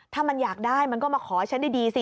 ถ้ามันอยากได้มันก็มาขอฉันดีสิ